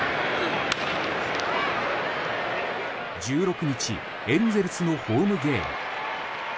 １６日、エンゼルスのホームゲーム。